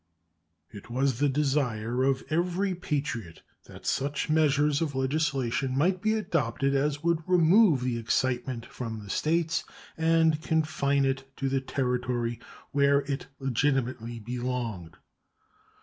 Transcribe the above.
It was the desire of every patriot that such measures of legislation might be adopted as would remove the excitement from the States and confine it to the Territory where it legitimately belonged.